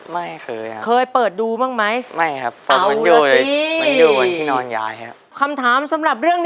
ไม่เคยครับ